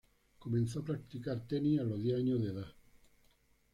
Comenzó a practicar tenis a los diez años de edad.